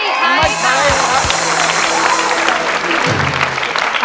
ไม่ใช้ค่ะ